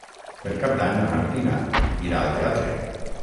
Per Cap d'Any na Martina irà al teatre.